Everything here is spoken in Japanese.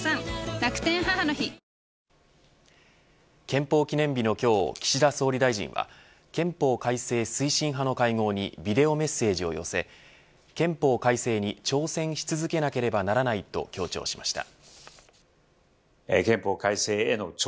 憲法記念日の今日岸田総理大臣は憲法改正推進派の会合にビデオメッセージを寄せ憲法改正に挑戦し続ければならないと強調しました。